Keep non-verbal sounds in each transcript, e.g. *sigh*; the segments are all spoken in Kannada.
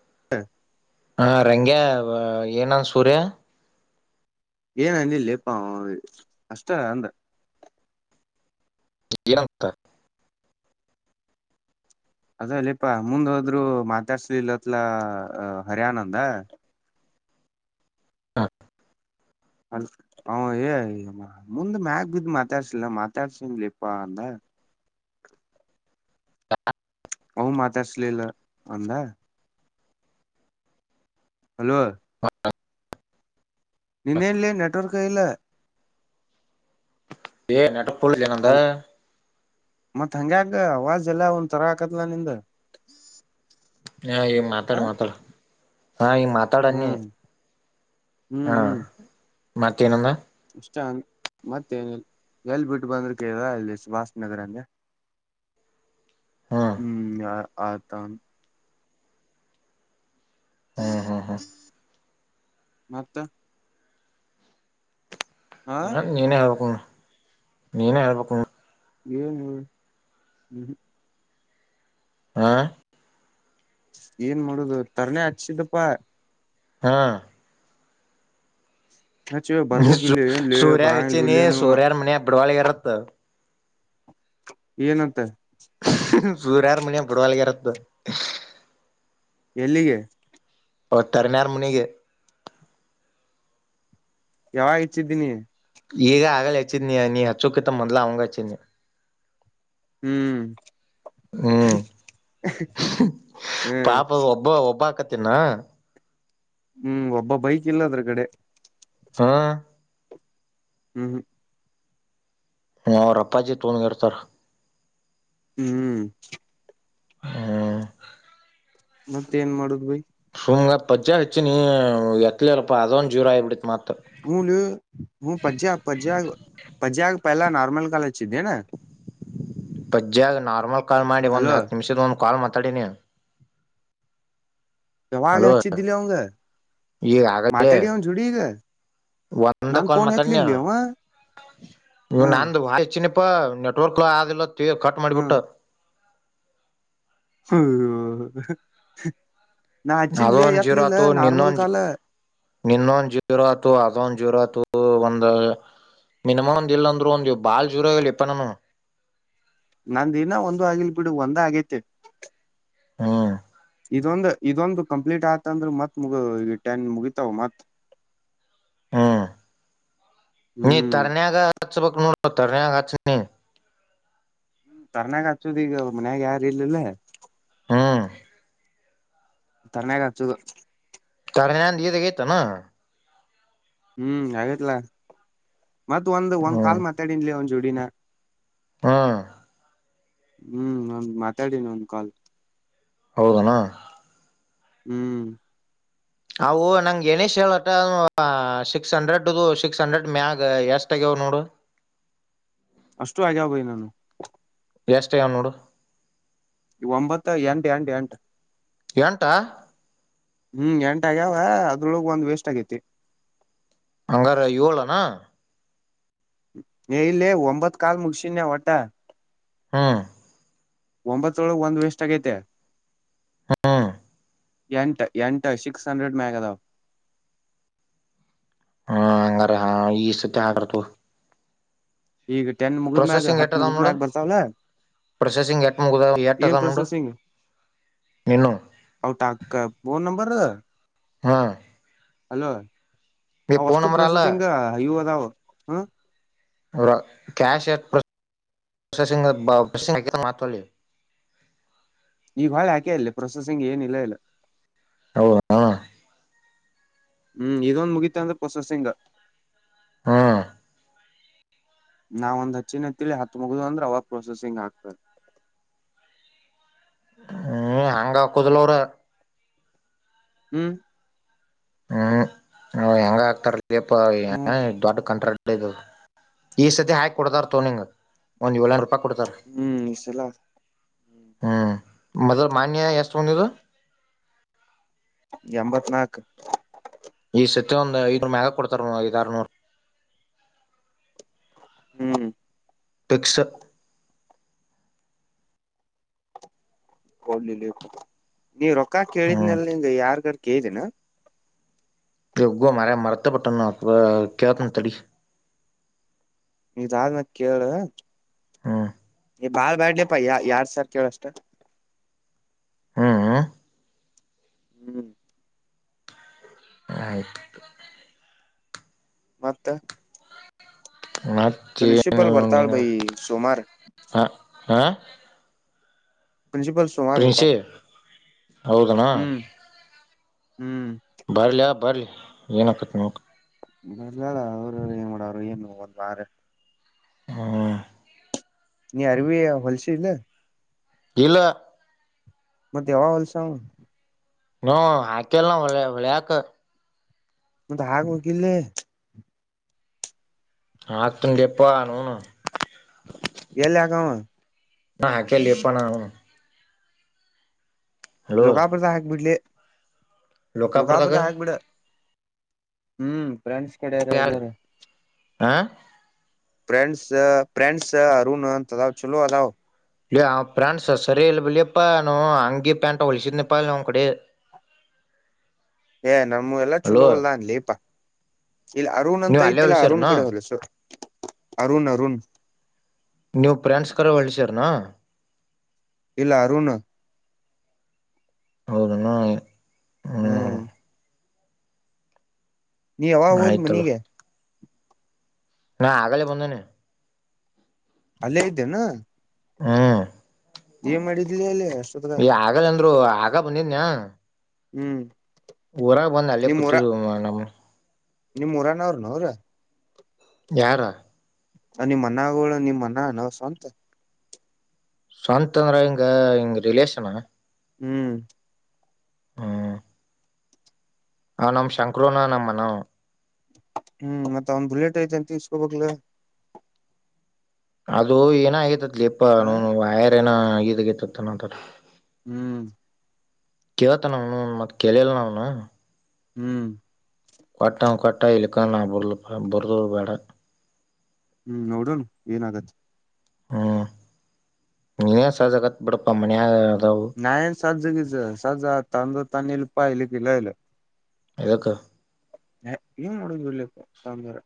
*inaudible* ಹಾ ರಂಗ್ಯಾ ಏನಂದ ಸೂರ್ಯ. ಏನಂದಿಲ್ಲೇಪ್ಪ ಅವ ಅಷ್ಟ ಅಂದ. ಏನಂತ ಅದ ಲೆ ಪಾ ಮುಂದ್ ಹೋದ್ರು ಮಾತಾಡ್ಸ್ಲಿಲ್ಲತ್ಲ ಹರಿಯಾನಂದ ಹಾ ಅ ಅವ ಏ ಮುಂದ್ ಮ್ಯಾಗ ಬಿದ್ದ್ ಮಾತಾಡ್ಸಿಲ್ಲ ಮಾತಾಡ್ಸನ್ಲಿಲೆ ಪಾ ಅಂದ. *unintelligible* ಅವು ಮಾತಾಡ್ಸಲಿಲ್ಲ ಅಂದ. ಹಲೋ ಹ ನಿಂದೇನ್ಲೇ ನೆಟ್ವರ್ಕ ಇಲ್ಲ. ಏ ನಟ ಪುಲ್ ಇದೆಲೆ ನಂದ. ಮತ್ತ್ ಹಾಂಗ್ಯಕ ಅವಾಜ್ ಎಲ್ಲ ಒಂದ ತರ ಅಕ್ಕೆತ್ಲಾ ನಿಂದ. ಹಾ ಈ ಮಾತಾಡ ಹ್ಮ್ ಮಾತಾಡ ಹಾ ಈಗ ಮಾತಾಡನ್ನಿ ಹ್ಮ್ ಹಾ ಹ್ಮ್ ಮತ್ತೇನಂದ. ಇಷ್ಟ ಅಂದ ಮತ್ತೇನ ಇಲ್ ಎಲ್ಲಿ ಬಿಟ್ಟ ಬಂದ್ರಿ ಕೇಳಿದ ಇಲ್ಲಿ ಸುಭಾಸ ನಗರ ಅಂದೆ. ಹ್ಮ್ ಆದತನ್ ಹ್ಮ್ ಹ್ಮ್ ಹ್ಮ ಮತ್ತ ಹ ನಾನ್ ನೀನೇ ಹೇಳ್ಬೇಕುಣ ನೀನೇ ಹೇಳ್ಬೇಕು ಏನು ಹ್ಮ ಹಾ ಏನ್ ಮಾಡುದು ತರ್ನೇ ಹಚ್ಚಿದಪ್ಪಾ ಹಾ ಹಚ್ಚಿ ್ಮ ಬರ್ಬಕ್ ಇಲ್ಲಿ ಏನ್ಲಿ ಸೂರ್ಯಾಗ ಬರಂಗಿಲ್ ಹಚ್ಚಿನ ಇಲ್ಲಿ ನೀವು ಸೂರ್ಯಾರ್ ಮನ ಬಡವಾಳಗ ಇರತ್ ಏನಂತ ಸೂರ ಯಾರ ಮನೆಯ ಪುಟಬಲ್ಗೆರದು ಎಲ್ಲಿಗೆ ತರ್ನಾರ ಮುನಿಗೆ ಯಾವಾಗ ಇಚ್ಚಿದ್ದೀನಿ ಈಗ ಆಗಲ ಹಚ್ಚಿದ್ನಿ ನೀ ಹಚ್ಚೋಕಿತ್ತ ಮೊದಲ ಅವಂಗ ಹಚ್ಚಿದ್ನಿ ಹ್ಮ್ ಹ್ಮ್ ಹ ಪಾಪ ಒಬ್ಬ ಒಬ್್ಬಾ ನ್ನ ಹ್ಮ್ ಒಬ್ಬ ಬೈಕ್ ಇಲ್ಲ ಅದ್ರ ಕಡೆ ಹಾ ಹ್ಮ್ ಹ್ಮ್ ಹಾ ರಪ್ಪಾಜಿ ತೋೊಂಡಗೆರು ಸ ಹ್ಮ್ ಹ ಮತ್ತ ಏನ್ ಮಾಡುದ್ ಭೈ ಹುಗಳ ಪಜ್ಜಾ ಹೆಚ್ಚು ನೀ ಎತ್ತ ಇಲ್ಲಪ್ಪ ಅದೊಂದು ಜೀೂರ ಆಿ ಬಿಡ್ಿತ ಮ ಮಾತ ಹ ಹ ಪಜಾ ಪಜಾ ಪಜ ಪಹಲಾ ನೋರ್ಮಲ್ ಕಾಲಜ ಚಂತಿದೆ ಪಜ್ಜಿಯಾಗ ನಾರ್ಮಲ್ ಕಾಲ್ ಮಾಡಿ ಒಂದು್ ಅಲೋ ಹತ್ತು ನಿಮಿಷದ ಒಂದು ಕಾಲ್ ಮಾತಾಡಿನಿ ಜವಾಾಗ ಹಲೋ ಹಚ್ಚಿ ದಿಲ್ಲ ಅವಗೆ ಈಗ ಆಗಲೇ ಮಾತಾಡಿ ಅವ ಜುಡಿಗ ಒಂದ ನಾನ್ ಕಾಲ್ ಫೋನ್ ಮಾತಾನ್ಯ ಎತ್ಲಿಲ್ಲಿ ನೀ ಹ್ಮ ನಂದು ಬಾಳ ಹೆಚ್ಚಿನ ನೆಟ್ವರ್ಕ್ ಆದಲ್ಲ ಕಟ್ ಮಾಡಿಬಿಟ್ಟು ಹ್ಮ ನಾ ಅಚ್ಚಿನ್ಲ್ಲಿ ಅದೊಂದ್ ಯತ್ ಜೀರೋ ಲಿಲ್ಲ ಆತು ನಾರ್ಮಲ್ ನಿನ್ನೊಂದ್ ಕಾಲ ನಿನ್ನೊಂದ್ ಜೀರೋ ಆಯತು ಅದೊಂದ್ ಜೀರೋ ಆಯತು ಒಂದ ಮಿನಿಮಮ್ ಒಂದ್ ಇಲ್ ಅಂದ್ರು ಒಂದ ಬಾಳ್ ಜೋರಲಿ ಇಪ್ಪ ನಾನ ನಂದ ದಿನ ಒಂದ ಆಗಿಲ್ ಬಿಡು ಒಂದ ಆಗೈತೆ ಹ್ಮ್ ಇದೊಂದು ಇದೊಂದು ಕಂಪ್ಲೀಟ್ ಆತಂದ್ರ ಮತ್ ಮುಗ ಈ ಟೆನ್ ಮುಗಿತಾವ ಮತ್ ಹ್ಮ್ ನೀ ಹ್ಮ್ ತನಾಗ ಗಾ ಚ ಬಕ ತರ್ರಣೆಯ ಗಾಚ ನೀ ಹ್ಮ ಕರ್ನಾಗ ಹಚ್ಚದ ಈಗ ಮನ್ಯಾಗ ಯಾರು ಇಲ್ಲಿಲ್ಲ ಹ್ಮ್ ತರ್ನಯಾಗ ಆತುದು ತಂದ ಗತ ನ ಹ್ಮ್ ಆಗೇತ್ಲಾ ಮತ್ ಒಂದ ಒಂದ್ ಹ್ಮ್ ಕಾಲ್ ಮಾತಾಡನ್್ಲ ಒನ್ ಜೋಡಿನ ಹ್ಮ್ ಹ್ಮ್ ಒಂದ ಮಾತಾಡನ ಒಂದ ಕಾಲ್ ಹೌದಣ ಹ್ಮ್ ಅವು ನಂಗಗೆ ನೇಶ್ ಹೇಳತ್ತ ಅ ಸಿಕ್ಸ್ ಹಂಡ್ರೆಡ್ದು ಸಿಕ್ಸ್ ಹಂಡ್ರೆಡ್ ಮ್ಯಾಗ ಎಷ್ಟ ಆಗ ಅವ ನೋಡು ಅಷ್ಟು ಆ್ಯಗಾವ ಭಾಯಿ ನನ್ನು ಎಷ್ಟ ಆಗ್ಯಾವ ನೋಡು ಒಂಬತ್ತು ಎಂಟು ಎಂಟ ಎಂಟ ಎಂಟಾ ಹ್ಮ್ ಎಂಟ ಆಗ್ಯಾವ ಅದ್ರೊಳಗ್ ಒಂದ್ ವೇಸ್ಟ್ ಆಗೈತಿ ಹಂಗಾರ ಏಳನ ನೀ ಇಲ್ಲೇ ಒಂಬತ್ ಕಾಲ್ ಮುಗಿಸಿನಾ ಒಟ್ಟ ಹಾ ಒಂಬತ್ತೊಳಗ್ ಒಂದ್ ವೆಸ್ಟ್ ಆಗೈತಿ ಹಾ ಎಂಟ್ ಎಂಟ್ ಸಿಕ್ಸ್ ಹಂಡ್ರೆಡ್ ಮ್ಯಾಗ ಅದಾವ ಹ್ಮ ಹಂಗಾರ ಹ ಈ ಸತಿ ಆಡಾರ್ ತಗೋ ಈಗ ಟೈನ್ ಮುಗಿದ ಮ್ಯಾಗ ಹತ್ ಎಟ್ ಅದಾವ ಮುಗಿದ ನೋಡು ಮ್ಯಾಗ ಬರ್ತಾವಳ ಪ್ರೊಸೆಸಿಂಗ್ ಎಟ್ ಮುಗದಾವ ಎಟ್ ಮುಗುದಾವ್ ನೋಡು ನೀನು ಟಾಕ ಫೋನ್ ನಂಬರ್ ಹಾ ಹಲೋ ಈ ಅವ ಫೋನ್ ಅಷ್ಟು ನಂಬರ್ ಅಲ್ಲ ಪ್ರೊಸೆಸಿಂಗ್ ಇವ ಅದಾವ ಕ್ಯಾಷ್ ಆ ಪ್ರೊಸೆಸಿಂಗ್ ಮಾತ್ ಈಗ ಹ್ಯೊಳಿ ಹಾಕೆ ಇಲ್ಲ ಲ್ಲೆ ಪ್ರೊಸೆಸಿಂಗ್ ಏನ ಇಲ್ಲ ಇಲ್ಲ ಹೂ ಹೂ ಹ್ಮ್ ಇದೊಂದ ಮುಗಿತಾ ಅಂದ್ರೆ ಪ್ರೊಸೆಸಿಂಗ ಹ್ಮ್ ನಾವ ಒಂದ್ ಹಚ್ಚಿನ ತಿಳಿ ಹತ್ತು ಮುಗ್ದ ಅಂದ್ರೆ ಅವಾಗ ಪ್ರೊಸೆಸಿಂಗ್ ಆಗ್ತದ *unintelligible* ಹ್ಮ್ ಹಂಗ ಹಾಕುದಲ ಅವ್ರ ಹ್ಮ್ ಹ್ಮ್ ಹೆಂಗ ಆಕ್ತಾರ ದೀಪ ದೊಡ್ಡ ಕಂತ್ರಾಟ್ ಈ ಸತಿ ಹಾಕಿ ಕೊಡತಾರ ತೋ ನಿಂಗ ಒಂದ್ ಏಳರ ಕೊತಾರೆ ಹ್ಮ್ ಇಷ್ಟೆಲ್ಲ ಹ್ಮ್ ಮೊದಲು ಮಾನ್ಯೆ ಎಷ್ಟು *unintelligible* ಎಂಬತ್ತ ನಾಕ್ ಈ ಸತಿ ಒಂದ್ ಐದನೂರ್ ಮ್ಯಾಗ ಕೊಡ್ತಾರ ಐದರ್ನೂರ್ ಹ್ಮ್ ಪಕ್ಷಾ *unintelligible* ನೀವ ರೊಕ್ಕ ಹ್ಮ್ ಕೇಳಿದನೆಲ್ಲಂಗ ಯಾರ್ಗಾರ್ ಕೇಳ್ದೇನ ಹೋಗು ಮಾರಾಯಾ ಮರ್ತಬಿಟ್ಟಣ ಕೇಳ್ತನ ತಡಿ ಇದಾದ್ ಮ್ಯಾಲ ಕೇಳು ಹ್ಮ ನೀ ಬಾಳ್ ಬ್ಯಾಡ್ಲಿಪ್ಪ ಯ ಮಾಡ ಸಾವಿರ್ ಕೇಳಷ್ಟ ಹಾ ಆ ಹ್ಮ್ ಆಯ್ತುು ಮತ್ತ ನ ಚೀಟಲ್ ಹಳ ಭೈ ಸೋಮಾರ ಹಾ ಪ್ರಿನ್ಸಿಪಲ್ ಸೋಮಾರ್ ಪ್ರಿನ್ಸಿ ಬರ್ತಾಳ ಹೌದನ ಹ್ಮ್ ಹ್ಮ್ ಬರ್ಲ ಬರ್ಲಿ ಏನ ಆಕತ ನೊಡ ಬರ್ಲಳ ಅವರು ಏನ್ ಮಾಡೋರು ಏನು ಒಂದ್ ವಾರ ಹ್ಮ ನೀ ಅರವ ಹಲ್ಸೇಲ್ ಇಲ್ಲ ಮತ್ತೆ ಯಾವಾಗ ಹೊಲ್ಸಾಮ ಹ್ಮ ಹಾಕೆಲ್ಲ ಒಳ್ಳೆ ಒಳ್ಳಕ ಮತ್ತೆ ಹಾಗ ಹೋಗಿಲ್ಲ ಹ ತಂಡ ಎಪ್ಪ ನೂನು ಎಲ್ಲಿ ಹಕಾಮ ಹಾ ಹಾಕಲಿಪ ಲೋಕಾಪುರದ ಹಾಕ್ಬಿಡ್ಲೇ ಲೋಕಾಪುರದಾಗ ಹಾಕ್ಬಿಡ ಹ್ಮ್ ಫ್ರೆಂಡ್ಸ್ ಕಡೆಾರ ಯಾರು ಎಲ್ಲಾರ ಪ್ರ್ರೆಂಡಸ್ ಪ್ರ್ರೆಂಡಸ್ ಅರುಣ ಅಂತದಾವ ಚಛಲೋ ಅದಾವ ಇ ್ರ್ಯಾಂಡ್ಸ್ ಸರಿ ಇಲ್ಲ ಬಿಲಪ್ಪಾ ನ ಹಂಗಿ ಪ್ಯಾಂಟ್ ಹೊಳಸಿದನಿಪ್ಪಾ ಒ್ ಕಡೆ *inaudible* ಏ ನಮ್ಮ ಎಲ್ಲಾ ಅಲೋ ಚಛಲೋ ಅಲ್ಲ್ಲ ನ್ಲಿಪ ಇಲ್ಲಿ ಅರುಣ ನೀವ್ ಅಂತ ಅಲ್ಲೇ ಇಲ್ಲ ಅರುಣ ಹೊಲ್ಸಿರನ ಕಡೆ ಹಲ ಸರ್ ಅರಋಣ ಅರುಋಣ ನೀವ್ ಫ್ರೆಂಡ್ಸ್ ಕರ ಹೊಲ್ಸಿರನ ಇಲ್ಲಾರುಣ ಹೌದನ್ನಾ ಹ್ಮ್ ನೀ ಯಾವಾಗ ಹೋದ್ ಆಯ್ತಲ್ಲ ಮನಗೆ ನಾ ಆಗಲೆ ಬಂದನೆ ಅಲ್ಲೇ ಇದ್ದೇನಾ ಹ್ಮ ಏನ್ ಮಾಡಿದ್ಲಿ ಅಲ್ಲೇ ಅಷ್ಟತ್ರರ ಆಗಲ್ಲ ಆಗ ಬಂದಿದನ್ಯ ಹ್ಮ್ ಊರಾಗ ಬಂದ್ ಅಲ್ಲೇ ನಿಮ್ ಊರ ಕೂತಿದ ಮ ನಮ್ ನಿಮ್ ಉಊರಾನ ಅವರುನು ಅವ್ರ ಯಾರಾ ಅ ಮನಗಳುಳ ನಿ ಮನ ನ ಸವಂತ ಶಾಂತ ಅಂದ್ರ ಹಂಗ ಹಂಗ ರರಿಲೇಷನ್ ಹ್ಮ್ ಹ್ಮ್ ಆ ನ ಶಂಕರುೋನಾಾನಮ್ಮನ ಹ್ಮ್ ಮತ್ತ ಅವನ್ ಬುಲೆಟ್ ಐತೆ ಅಂತಸ್ಕೊಬಕ್ಲ ಅದು ಏನ ಆಗತತ್ ಲಪ ಹ ವಯರ್ ಏನ ಇದಗತತ್ನಂತಾರ ಹ್ಮ್ ಕವತ ನವುನು ಮ ಕೇಳಲ್ಲ ನವುನು ಹ್ಮ್ ಕೊಟ್ಟಾ ಕೊಟ್ಟ ಇಲ್ಲಿಕ್ಕ ನಾ ಬರ ಬರದ ಬೇಡ ಹ್ಮ್ ನೋಡಣ ಏನ ಆಗತ್ ಹ್ಮ್ ನೀನು ಸಜ ಕತ್ ಬಿಡಪ ಮನ ನಾಯನ್ ಸಜಜಗ ಸಜಾ ತಂದ ತಾನೆ ಇಲ್ಲಿ ಪ ಇಲ್ಲಕ್ಕಿಲ್ಲ ಇಲ್ಲ ಏಕ ಹ ಏನ್ ಮುಡಿದಲ್ಲಪ್ಪ ತಂದರ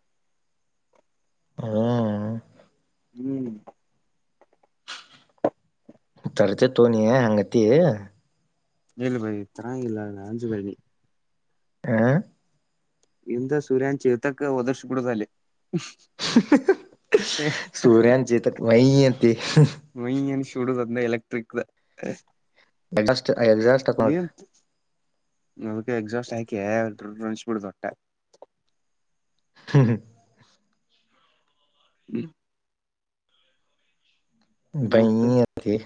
ಹಾ ಹ್ಮ್ ತರಚ ತೋಣಿಯ ಅಂಗತ್ತ ಏಳ ಬಿ ತರಾ ಇಲ್ಲ ಅಂಜು ಬರಿನಿ ಹಾ ಸುರಾನ್ಚ ಇರ್ತಕ್ಕ ಒದಚಿ ಕೊಡತಲ್ಲೆ *unintelligible* ಸೂರ್ಯಚ ತ ವಿಂತೆ ಚೂಡು ಅದ್ನ ಎಲೆಕ್ಟ್ರಿಕ್ ನ ಎಜೆಸ್ಟ್ ಎಡ್ಜಸ್ಟ್ ಮಾಡು ಅದಕ್ಕ ಎಕ್ಸಾಸ್ಟ್ ಹಾಕಿ ಡೂರ ಅನ್ಸಿ ಬಿಡೋದು ವಟ್ಟ ಹ್ಮ್ ಹ್ಮ ಹ್ಮ ಬ ಮತ್ತ *unintelligible*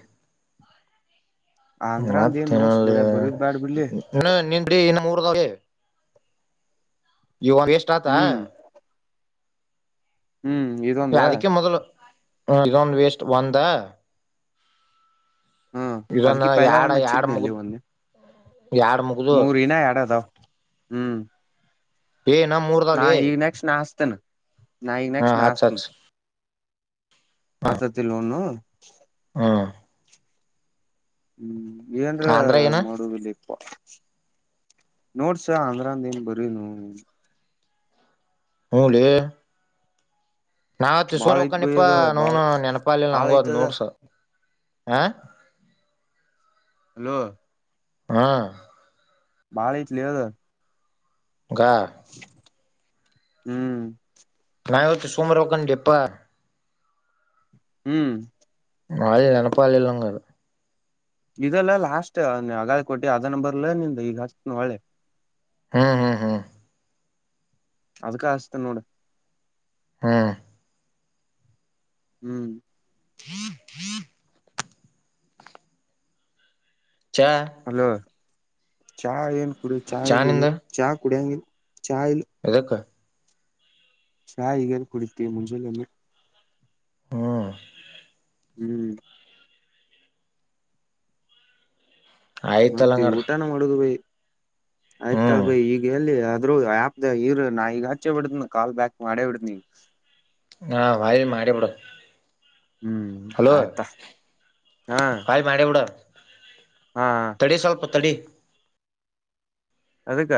ಆಂಧ್ರ ಅಂದ ಮತ್ತ ಏನ್ ನೋಟ್ಸ್ ಹೊಳ್ಳಿ ಬರ ಬರದ್ ಬ್ಯಾಡ್ ಬಿಡ್ಲಿ ನಿನ್ ಬಿೀ ಇನ್ನ ಮೂರ ಊರ್ದೆ ಇವ ವೆಸ್ಟ್ ಆತ ಹ್ಮ್ ಹ್ಮ್ ಇದೊಂದ ಹ ಇದೊಂದು ವೇಸ್ಟ್ ಒಂದ ಹ್ಮ್ ಇದೊಂದು ಅದಕ್ಕೆ ಪೈಲ ಎಡ ಒಮ್ಮೆ ಎಡು ಹಚ್ಚಿದ್ನಲ್ಲಿ ಮುಗುತ್ ಒಂದ್ ಮೂರಿನ ಆಡೋದು ವ ಹ್ಮ್ ಏ ಇನ್ನ ನಾ ಮೂರ್ದಾವ್ಲೇ ಈಗ ನೆಕ್ಸ್ಟ್ ನಾ ಹಸ್ತೇನೆ ನಾ ಈಗ ಹಾ ನೆಕ್ಸ್ಟ್ ನಾ ಹಚ್ ಹಸ್ತೇನೆ ಹಚ್ ಹತತ್ತ ಲೋನ್ ಹಾ ಹ್ಮ್ ಏಂದ್ರ ಆಂಧ್ರ ಏನ ಮಾಡುದಲಿ ನೋಡ್ಸ ಅದ್ರಂದ ಏನ ಬರೇನು ಹೊಲೆ ನಾ ಬಾಳ ತ್ತಿಸಿಕೊರ ಐತ್ ಬೈ ಹೊಕ್ಕೇನಪ್ಪಾ ಅದ ಬಾಳ ನವನ್ ನೆನಪಾಲಿಲ್ಲಿ ಬಾಳ ನಂಗೂ ಅದ ಐತದ ನೋಡ್ಸ ಹಾ ಹಲೋ ಹಾ ಬಾಳ ಐತಲೇ ಅದ ಗಾ ಹ್ಮ್ ನಾವತ್ತು ಸೋಮರೋಕನ್ ಲೇಪ ಹ್ಮ್ ಹೋಳ್ಳಿ ನೆನಪಾಲಿಲ್ಲ ನಂಗ ಅದ ಇದೆಲ್ಲ ಲಾಸ್ಟ್ ಅಗಾಳಿ ಕೊಟ್ಟಿ ಅದ ನಂಬರ್ ನಿಂದ ಈಗ ಹಚ್ಚುತ್ತೇನೆ ಹೋಳ್ಳಿ ಹೂ ಹೂ ಹೂ ಅದಕ್ಕ ಹಸ್ತನ ನೋಡು ಹಾ ಹ್ಮ್ ಹ್ಮ್ ಹ್ಮ್ *unintelligible* ಚಾ ಹಲೋ ಚಾ ಏನ್ ಕುಡಿ ಚಾ ಇಲ್ಲಿಗ ಚಾ ಕುಡಿಯಂಗಿಲ್ಲ ಎದಕ್ಕ ಚಾ ಈಗ ಎಲ್ ಕುಡಿತಿ ಮುಂಜಾಲೆಗ ಹ್ಮ ಹ್ಮ್ ಆಯ್ತಲ್ಲ ಮತ್ತೆ ಹಂಗಾರ ಊಟನ ಮಾಡುದು ಬೈ *inaudible* ಆಯ್ತಾಳ ಬೈ ಈಗ ಎಲ್ಲಿ ಅ ಆದ್ರೂ ಆಪ್ ಅದ ಇರು ನಾ ಈಗ ಹಚ್ಚೆ ಬಿಡ್ತೇನೆ ಕಾಲ್ ಬ್ಯಾಕ್ ಮಾಡೇ ಬಿಡತನ ಹಾ ವಾಯ ಮಾಡೇ ಬಿಡು ಹ್ಮ್ ಹಲೋ ಆಯ್ತಾ ಹಾ ವಾಯ ಮಾಡೇ ಬಿಡು ಹಾ ತಡಿ ಸ್ವಲ್ಪ ತಡಿ ಅದಕ್ಕ